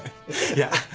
いや。